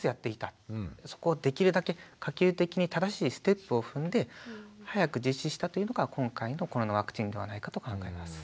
そこをできるだけ可及的に正しいステップを踏んで早く実施したというのが今回のコロナワクチンではないかと考えます。